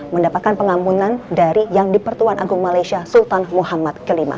mendapatkan pengampunan dari yang dipertuan agung malaysia sultan muhammad v